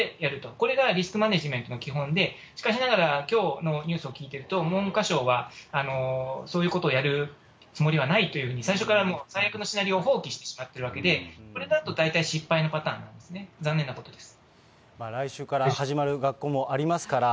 これがリスクマネジメントのきほんで、しかしながら、きょうのニュースを聞いていると、文科省はそういうことをやるつもりはないっていうふうに、最初から最悪のシナリオを放棄してしまっているわけで、それだと大体失敗のパターンなんですね、残念なことです。